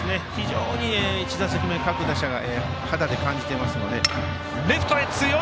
１打席目、各打者が肌で感じていますので。